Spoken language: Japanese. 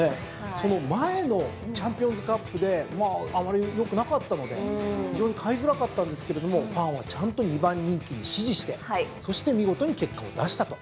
その前のチャンピオンズカップであまりよくなかったので非常に買いづらかったんですけどファンはちゃんと２番人気に支持してそして見事に結果を出したと。